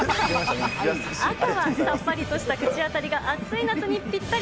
赤はさっぱりとした口当たりが暑い夏にぴったり。